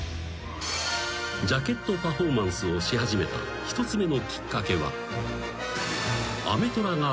［ジャケットパフォーマンスをし始めた１つ目のきっかけは］